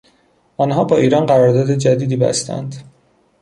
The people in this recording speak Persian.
آنها با ایران قرارداد جدیدی بستند.